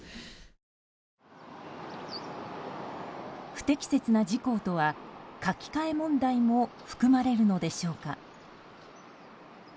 不適切な事項とは書き換え問題も含まれるのでしょうか。